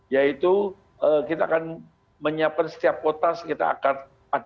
yaitu kita akan menyiapkan setiap kota sekitar ada tiga ratus anak yang akan kita seleksi